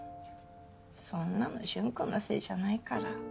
そんなの淳くんのせいじゃないから。